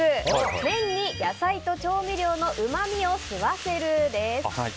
麺に野菜と調味料のうまみを吸わせるです。